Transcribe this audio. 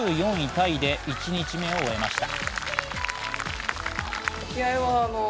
タイで１日目を終えました。